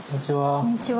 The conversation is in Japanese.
こんにちは。